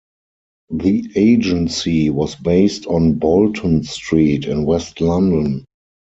The agency was based on "Bolton Street" in west London.